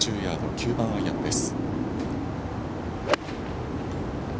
９番アイアンです。